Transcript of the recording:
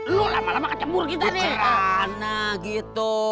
lu lama lama kecebur kita nih anak gitu